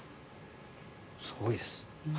すごいです。